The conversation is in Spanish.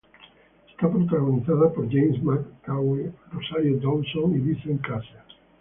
Está protagonizada por James McAvoy, Rosario Dawson y Vincent Cassel.